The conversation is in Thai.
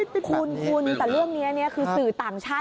คุณแต่เรื่องนี้คือสื่อต่างชาติ